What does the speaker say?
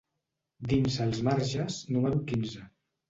Dins Els Marges número quinze.